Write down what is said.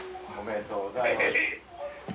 おめでとうございます。